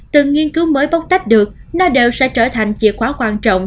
từ nghiên cứu mới bóc tách được nó đều sẽ trở thành chìa khóa quan trọng